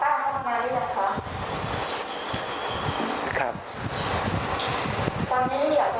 ไม่อยากจะขอโทษครับอยากจะขอโทษที่ทำไปด้วยอารมณ์ชีวภูมิมันเอง